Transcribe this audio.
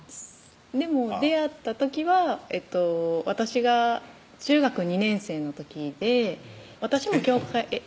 でも出会った時は私が中学２年生の時でえっ？